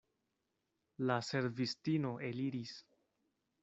La servistino eliris.